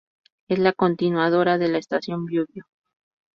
Es la continuadora de la Estación Biobío.